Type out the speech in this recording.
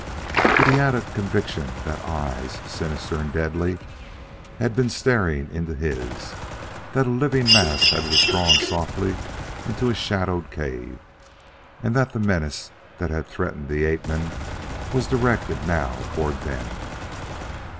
But he had a conviction that eyes, sinister and deadly, had been staring into his, that a living mass had withdrawn softly into a shadowed cave, and that the menace that had threatened the ape men was directed now toward them.